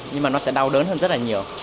nhưng mà nó sẽ đau đớn hơn rất là nhiều